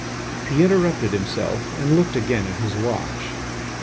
..." He interrupted himself, and looked again at his watch.